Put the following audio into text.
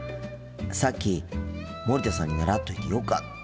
さっき森田さんに習っといてよかった。